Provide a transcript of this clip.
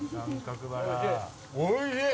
おいしい。